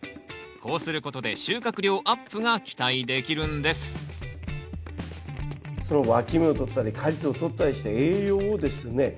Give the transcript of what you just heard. こうすることで収穫量アップが期待できるんですそのわき芽を取ったり果実を取ったりして栄養をですね